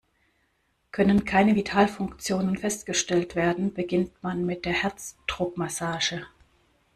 Können keine Vitalfunktionen festgestellt werden, beginnt man mit der Herzdruckmassage.